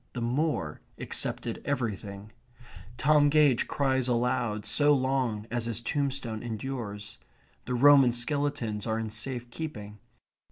The moor accepted everything. Tom Gage cries aloud so long as his tombstone endures. The Roman skeletons are in safe keeping.